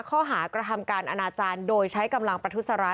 ห้อหากระทำการอาณาจารย์โดยใช้กำลังปฏุสาระ